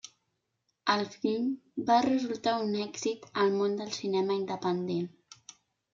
El film va resultar un èxit al món del cinema independent.